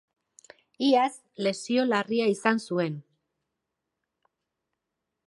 Iaz lesio larri izan zuen.